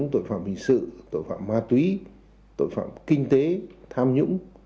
tội phạm hình sự tội phạm ma túy tội phạm kinh tế tham nhũng